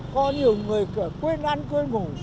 có nhiều người quên ăn quên ngủ